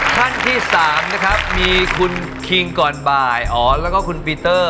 ท่านที่๓นะครับมีคุณคิงก่อนบ่ายอ๋อแล้วก็คุณปีเตอร์